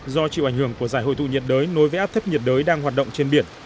do chịu ảnh hưởng của giải hội tụ nhiệt đới nối với áp thấp nhiệt đới đang hoạt động trên biển